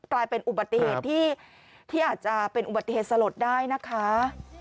กลายเป็นอุบัติเหตุที่อาจจะเป็นอุบัติเหตุสลดได้นะคะ